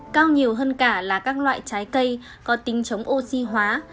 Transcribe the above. cao nhiều hơn cả là các loại trái cây có tính chống oxy hóa